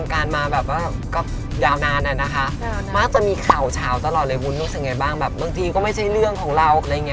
การมาแบบว่าก็ยาวนานอะนะคะ